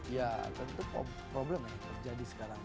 ya tentu problem yang terjadi sekarang